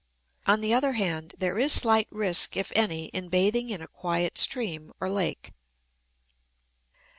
On the other hand, there is slight risk if any in bathing in a quiet stream or lake.